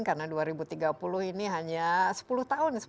karena dua ribu tiga puluh ini hanya sepuluh tahun